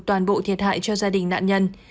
toàn bộ thiệt hại cho gia đình nạn nhân